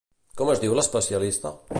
Com es diu l'especialista?